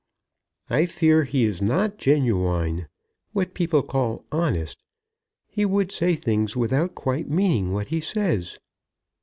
"I fear he is not genuine; what people call honest. He would say things without quite meaning what he says."